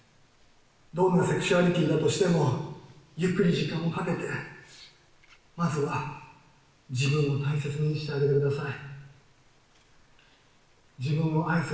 どんなセクシュアリティーだとしても、ゆっくり時間をかけて、まずは自分を大切にしてあげてください。